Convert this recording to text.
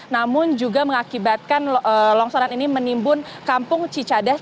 namun juga mengakibatkan longsoran ini menimbun kampung cicadas